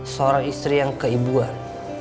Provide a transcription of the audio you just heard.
seorang istri yang keibuan